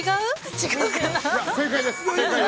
違うかな。